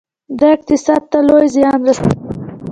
دا اقتصاد ته لوی زیان رسوي.